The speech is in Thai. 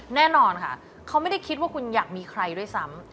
แน่นอนค่ะเขาไม่ได้คิดว่าคุณอยากมีใครด้วยซ้ำ